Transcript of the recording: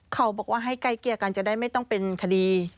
เขาบอกว่าให้ใกล้เกลี่ยกันจะได้ไม่ต้องเป็นคดี